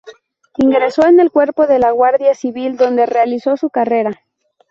Ingresó en el cuerpo de la Guardia Civil, donde realizó su carrera.